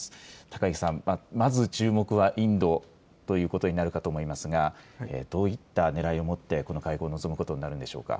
高木さん、まず注目はインドということになるかと思いますが、どういったねらいをもって、この会合に臨むことになるんでしょうか。